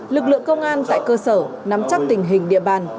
lực lượng công an tại cơ sở nắm chắc tình hình địa bàn